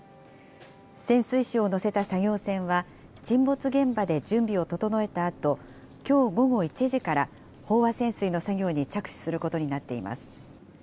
潜水士を乗せた作業船は、沈没現場で準備を整えたあと、きょう午後１時から、飽和潜水の作業に着手することになっています。